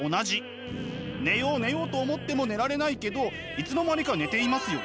寝よう寝ようと思っても寝られないけどいつの間にか寝ていますよね？